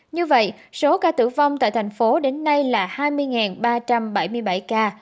như vậy số ca tử vong tại thành phố đến nay là hai mươi ba trăm bảy mươi bảy ca